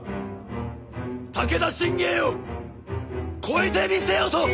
武田信玄を超えてみせよと！